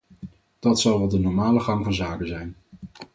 Dat zal wel de normale gang van zaken zijn.